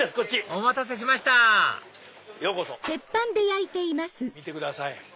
お待たせしましたようこそ！見てください